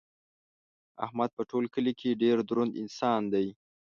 احمد په ټول کلي کې ډېر دروند انسان دی.